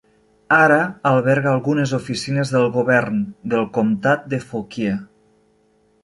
Ara alberga algunes oficines del govern del Comtat de Fauquier.